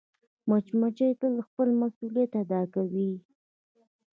مچمچۍ تل خپل مسؤولیت ادا کوي